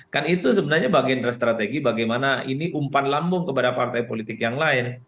kan itu sebenarnya bagian dari strategi bagaimana ini umpan lambung kepada partai politik yang lain